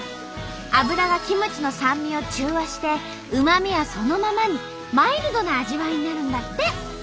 油がキムチの酸味を中和してうま味はそのままにマイルドな味わいになるんだって。